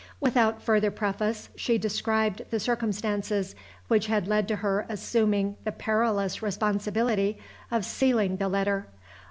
Without further preface she described the circumstances which had led to her assuming the perilous responsibility of sealing the letter.